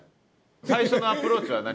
最初のアプローチは何？